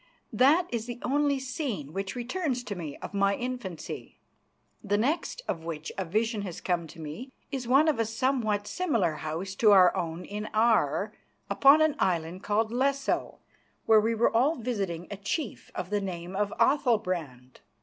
That is the only scene which returns to me of my infancy. The next of which a vision has come to me is one of a somewhat similar house to our own in Aar, upon an island called Lesso, where we were all visiting a chief of the name of Athalbrand.